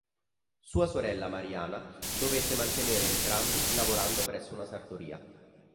Sua sorella Mariana dovette mantenere entrambi lavorando presso una sartoria.